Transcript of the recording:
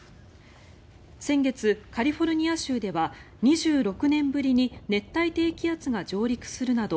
先月、カリフォルニア州では２６年ぶりに熱帯低気圧が上陸するなど